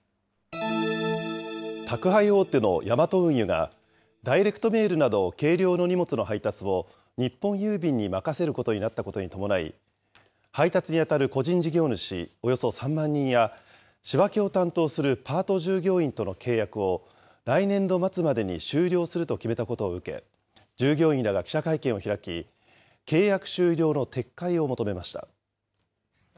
宅配大手のヤマト運輸が、ダイレクトメールなど軽量の荷物の配達を日本郵便に任せることになったことに伴い、配達に当たる個人事業主およそ３万人や、仕分けを担当するパート従業員との契約を、来年度末までに終了すると決めたことを受け、従業員らが記者会見を開き、契約終了の撤回を求めました。